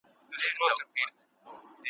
په یوه گوزار یې خوله کړله ورماته `